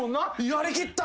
やりきった！